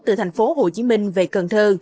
từ thành phố hồ chí minh về cần thơ